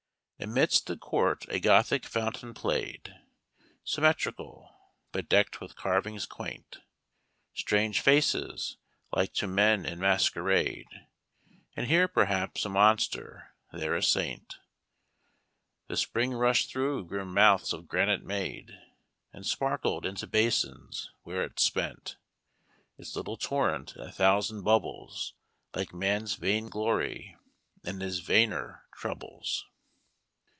"Amidst the court a Gothic fountain play'd, Symmetrical, but deck'd with carvings quaint, Strange faces, like to men in masquerade, And here perhaps a monster, there a saint: The spring rush'd through grim mouths of granite made, And sparkled into basins, where it spent Its little torrent in a thousand bubbles, Like man's vain glory, and his vainer troubles."